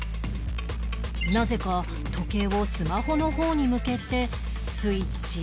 なぜか時計をスマホの方に向けてスイッチオン